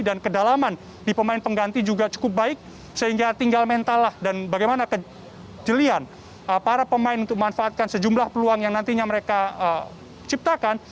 dan kedalaman di pemain pengganti juga cukup baik sehingga tinggal mentalah dan bagaimana kejelian para pemain untuk memanfaatkan sejumlah peluang yang nantinya mereka ciptakan